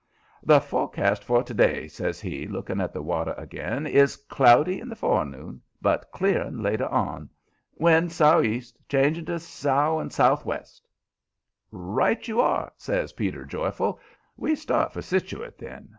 "The forecast for to day," says he, looking at the water again, "is cloudy in the forenoon, but clearing later on. Wind sou'east, changing to south and sou'west." "Right you are!" says Peter, joyful. "We start for Setuckit, then.